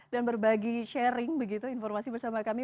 dan berbagi sharing begitu informasi bersama kami